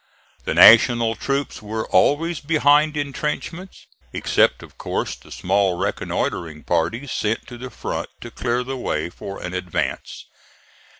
The National troops were always behind intrenchments, except of course the small reconnoitring parties sent to the front to clear the way for an advance.